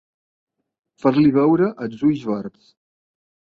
Fer-li veure els ulls verds.